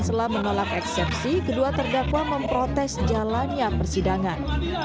setelah menolak eksepsi kedua terdakwa memprotes jalannya persidangan